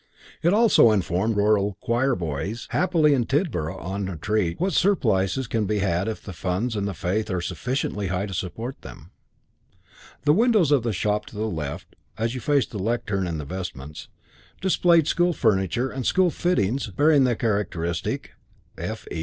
It also informed rural choirboys, haply in Tidborough on a treat, what surplices can be like if the funds and the faith are sufficiently high to support them. The windows of the shop to the left (as you faced the lectern and the vestments) displayed school furniture and school fittings bearing the characteristic "F.E.